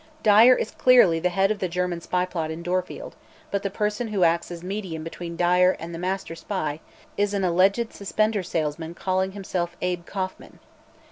"Dyer is clearly the head of the German spy plot in Dorfield, but the person who acts as medium between Dyer and the Master Spy is an alleged suspender salesman calling himself Abe Kauffman.